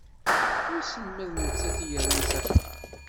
Wissen ma d nettat i t-yerran s axxam.